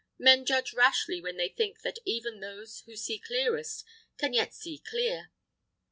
Men judge rashly when they think that even those who see clearest can yet see clear.